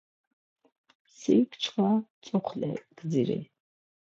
Sin çkva tzoxle gdziri.